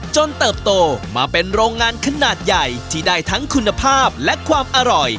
เติบโตมาเป็นโรงงานขนาดใหญ่ที่ได้ทั้งคุณภาพและความอร่อย